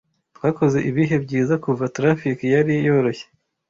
Twakoze ibihe byiza kuva traffic yari yoroshye.